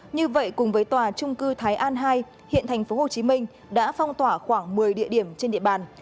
như vậy cùng với tòa trung cư thái an hai hiện tp hcm đã phong tỏa khoảng một mươi địa điểm trên địa bàn